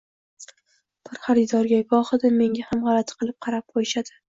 bir xaridorga, goxida menga ham g’alati qilib qarab qo’yishadi.